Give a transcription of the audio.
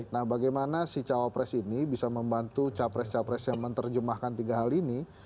nah bagaimana si cawapres ini bisa membantu capres capres yang menerjemahkan tiga hal ini